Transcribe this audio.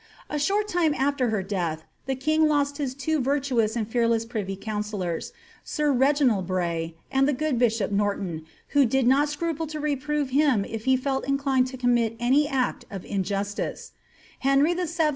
A short time after her dea^, the king lost his two virtuous and fearless privy councillors, sir Reginald Bray and the good bishc^ Norton, who did not scruple to reprove him if he felt inclined to commit an act of in justice' Henry VIJ.